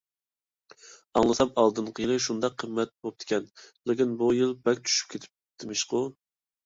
ئاڭلىسام ئالدىنقى يىلى شۇنداق قىممەت بوپتىكەن. لېكىن بۇ يىل بەك چۈشۈپ كېتىپتىمىشقۇ!